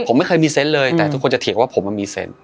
ผมไม่เคยมีเซนต์เลยแต่ทุกคนจะเถียงว่าผมมันมีเซนต์